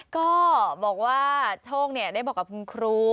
ก็บอกว่าโชคได้บอกกับคุณครู